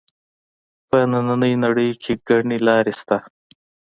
په نننۍ نړۍ کې ګڼې لارې شته